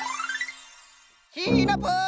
シナプー！